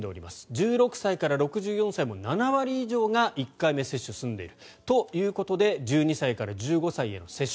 １６歳から６４歳も７割以上が１回目の接種が済んでいるということで１２歳から１５歳への接種。